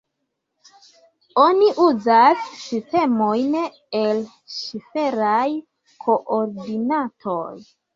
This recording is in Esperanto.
Oni uzas sistemojn el sferaj koordinatoj.